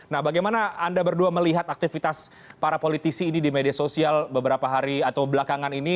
nah bagaimana anda berdua melihat aktivitas para politisi ini di media sosial beberapa hari atau belakangan ini